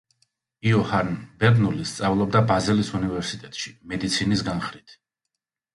იოჰან ბერნული სწავლობდა ბაზელის უნივერსიტეტში მედიცინის განხრით.